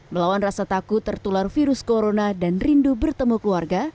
melawan rasa takut tertular virus corona dan rindu bertemu keluarga